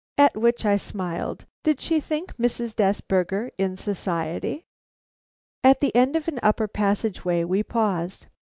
At which I smiled. Did she think Mrs. Desberger in society? At the end of an upper passage way we paused.